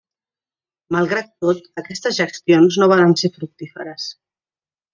Malgrat tot, aquestes gestions no varen ser fructíferes.